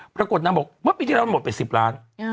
ปรากฏน้ำบอกว่าปีที่เราหมดไปสิบล้านอ่า